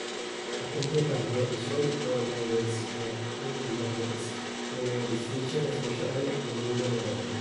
Ha completato i suoi O-Levels e A-Levels con una distinzione speciale in lingue moderne.